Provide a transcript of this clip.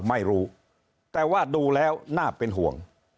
ไม่รู้แต่ว่าดูแล้วน่าเป็นห่วง